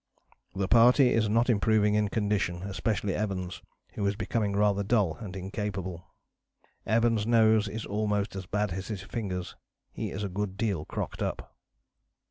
" "The party is not improving in condition, especially Evans, who is becoming rather dull and incapable." "Evans' nose is almost as bad as his fingers. He is a good deal crocked up."